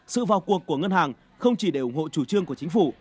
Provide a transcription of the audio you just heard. sự vào cuộc của ngân hàng không chỉ để ủng hộ chủ trương của chính phủ